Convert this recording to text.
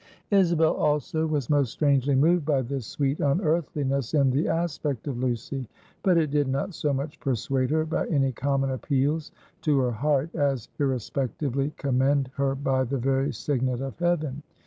Isabel also was most strangely moved by this sweet unearthliness in the aspect of Lucy. But it did not so much persuade her by any common appeals to her heart, as irrespectively commend her by the very signet of heaven.